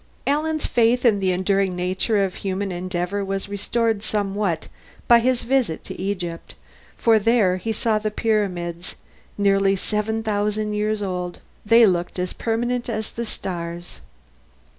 Alan's faith in the enduring nature of human endeavor was restored somewhat by his visit to Egypt for there he saw the pyramids, nearly seven thousand years old; they looked as permanent as the stars.